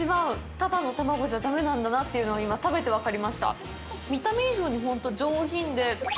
ただの卵じゃだめなんだなというのを今、食べて分かりました。